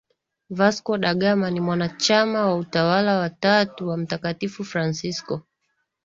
Vasco da Gama ni mwanachama wa Utawa wa Tatu wa Mtakatifu Fransisko